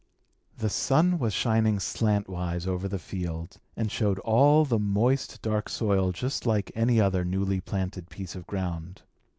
The sun was shining slantwise over the field, and showed all the moist, dark soil just like any other newly planted piece of ground.